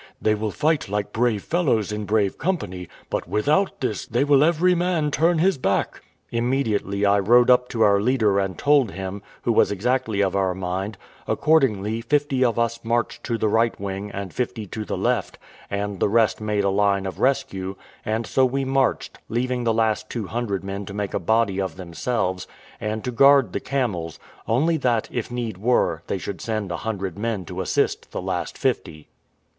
They will fight like brave fellows in brave company; but without this they will every man turn his back." Immediately I rode up to our leader and told him, who was exactly of our mind; accordingly, fifty of us marched to the right wing, and fifty to the left, and the rest made a line of rescue; and so we marched, leaving the last two hundred men to make a body of themselves, and to guard the camels; only that, if need were, they should send a hundred men to assist the last fifty.